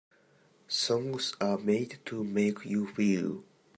Songs are made to make you feel.